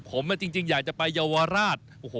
ผมจริงอยากจะไปเยาวราช